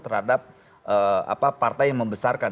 terhadap partai yang membesarkan